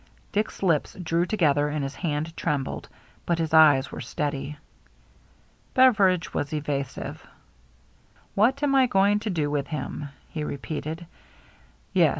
Dick's lips drew together and his hand trembled, but his eyes were steady. Beveridge was evasive. " What am I going to do with him ?" he repeated. "Yes.